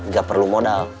gak perlu modal